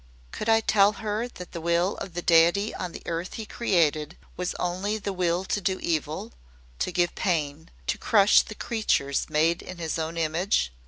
Could I tell her that the will of the Deity on the earth he created was only the will to do evil to give pain to crush the creature made in His own image.